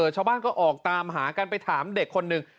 ชาวบ้านก็ออกตามหากันไปถามเด็กคนหนึ่ง